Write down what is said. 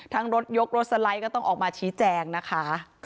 รถยกรถสไลด์ก็ต้องออกมาชี้แจงนะคะ